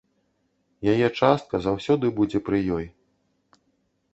Яе частка заўсёды будзе пры ёй.